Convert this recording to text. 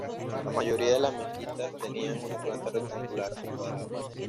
La mayoría de las mezquitas tenían una planta rectangular o cuadrada.